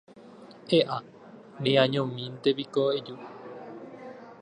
¡E'a! neañóntepiko eju.